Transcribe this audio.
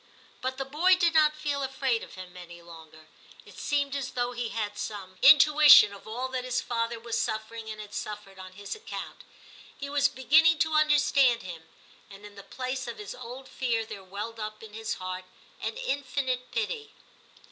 But the boy did not feel afraid of him any longer; it seemed as though he had some 296 TIM CHAP. intuition of all that his father was suffering and had suffered on his account ; he was beginning to understand him, and in the place of his old fear there welled up in his heart an infinite pity.